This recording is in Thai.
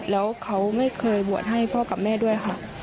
แล้วเขาไม่เคยบวชให้พ่อกับแม่ด้วยค่ะ